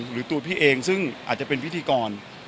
หรือตัวพี่เองซึ่งอาจจะเป็นพิธีกร